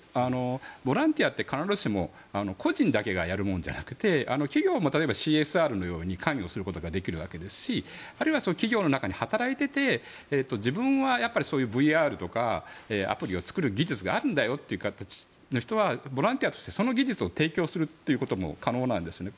ボランティアって必ずしも個人だけがやるものじゃなくて企業も例えばＣＳＲのように関与することができるわけですしあるいは企業の中に働いてて自分はそういうＶＲとかアプリを作る技術があるんだよっていう形の人はボランティアとしてその技術を提供するということも可能なんですね。